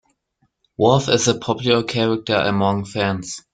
Worf is a popular character among fans.